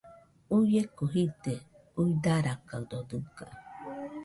Uieko jide, uidarakaɨdo dɨga.